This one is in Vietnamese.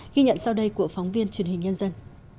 ghi nhận sau đây của phóng viên truyền hình nhân dân